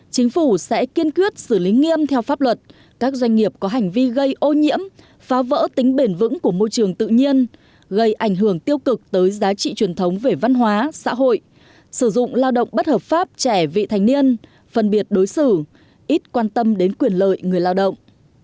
chính phủ sẽ kiên quyết xử lý nghiêm theo pháp luật các doanh nghiệp có hành vi gây ô nhiễm phá vỡ tính bền vững của môi trường tự nhiên gây ảnh hưởng tiêu cực tới giá trị truyền thống về văn hóa xã hội sử dụng lao động bất hợp pháp trẻ vị thành niên phân biệt đối xử ít quan tâm đến quyền lợi người lao động